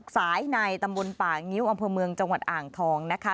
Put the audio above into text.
สายในตำบลป่างิ้วอำเภอเมืองจังหวัดอ่างทองนะคะ